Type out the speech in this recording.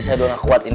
saya doang akuat ini